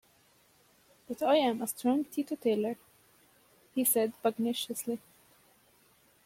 “But I’m a strong teetotaller,” he said pugnaciously.